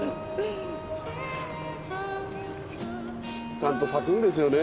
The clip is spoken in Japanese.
ちゃんと咲くんですよね